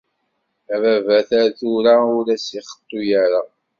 Ababat ar tura ur as-ixeṭṭu ara.